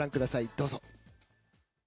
どうぞ。